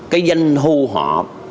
cái danh thu họ